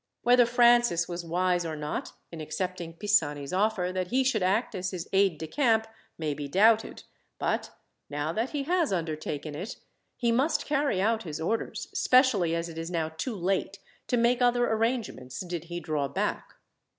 Whether Francis was wise or not, in accepting Pisani's offer that he should act as his aide de camp, may be doubted; but now that he has undertaken it, he must carry out his orders, especially as it is now too late to make other arrangements, did he draw back.